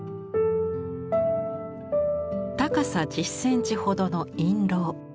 高さ１０センチほどの印籠。